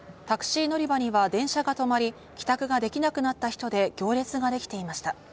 タクシー乗り場には電車が止まり、帰宅ができなくなった人で行列ができていました。